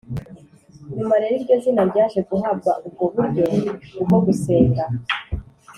nyuma rero iryo zina ryaje guhabwa ubwo buryo bwo gusenga